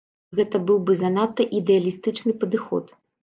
Гэта быў бы занадта ідэалістычны падыход.